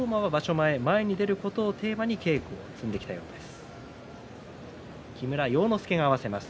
前、前に出ることをテーマに稽古を積んできたようです。